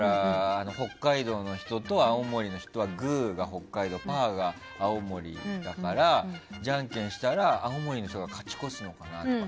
北海道の人と青森の人だとグーが北海道、パーが青森だからじゃんけんしたら青森の人が勝ち越すのかなって。